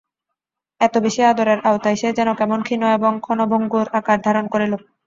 এত বেশি আদরের আওতায় সে যেন কেমন ক্ষীণ এবং ক্ষণভঙ্গুর আকার ধারণ করিল।